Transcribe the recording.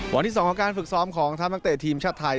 วันที่๒ของการฝึกซ้อมของทัพนักเตะทีมชาติไทย